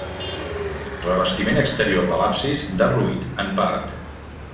Revestiment exterior de l'absis derruït en part.